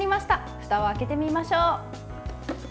ふたを開けてみましょう。